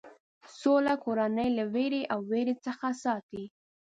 سوله کورنۍ له وېره او وېرې څخه ساتي.